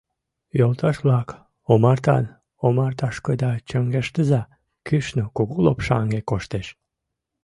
Йолташ-влак, омартан омарташкыда чоҥештыза: кӱшнӧ кугу лопшаҥге коштеш.